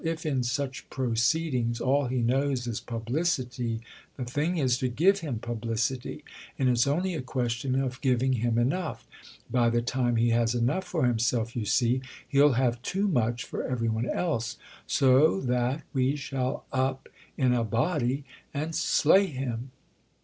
"If in such proceedings all he knows is publicity the thing is to give him publicity, and it's only a question of giving him enough. By the time he has enough for himself, you see, he'll have too much for every one else—so that we shall 'up' in a body and slay him."